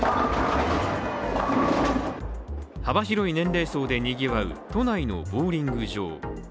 幅広い年齢層でにぎわう都内のボウリング場。